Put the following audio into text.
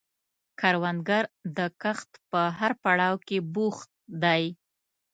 کروندګر د کښت په هر پړاو کې بوخت دی